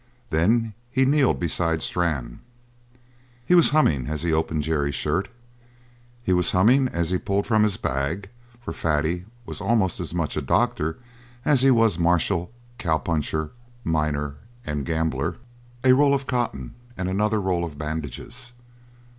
Then he kneeled beside Strann. He was humming as he opened Jerry's shirt; he was humming as he pulled from his bag for Fatty was almost as much doctor as he was marshal, cowpuncher, miner, and gambler a roll of cotton and another roll of bandages.